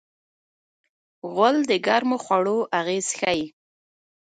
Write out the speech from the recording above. غول د ګرمو خوړو اغېز ښيي.